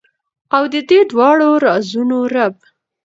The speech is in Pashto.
او ددې دواړو رازونو رب ،